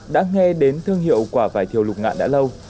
đã nghe đến thương hiệu quả vải thiều lục ngạn đã lâu